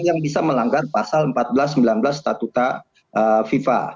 yang bisa melanggar pasal empat belas sembilan belas statuta fifa